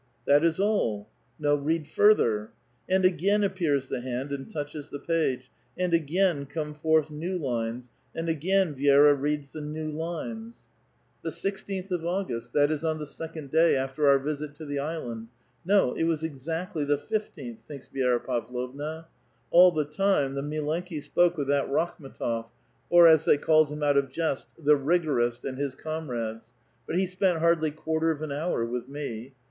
"That is all!" " No, read further." And again appears the hand and touches the page, and again come forth new lines, and again Vi^ra reads the new lines :— A VITAL QUESTION. 233 The sixteenth of August — that is on the second day after our visit to the island ; no, it was exactly the fifteenth/* thinks Vi^ra Pavlovna :*' all tlie time the milenki spoke with that* llakhni^tof / or as they called him out of jest, the rigor ist^ and his comrades, but he spent hardly quarter of an hour witti me.